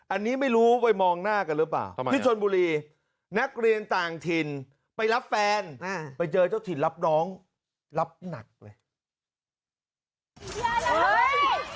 อันนี้ไม่รู้ไปมองหน้ากันหรือเปล่าทำไมที่ชนบุรีนักเรียนต่างถิ่นไปรับแฟนไปเจอเจ้าถิ่นรับน้องรับหนักเลย